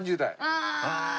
ああ！